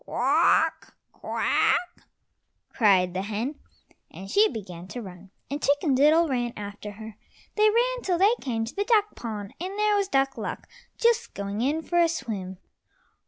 "Quawk! Quawk," cried the hen, and she began to run, and Chicken diddle ran after her. They ran till they came to the duck pond, and there was Duck luck just going in for a swim.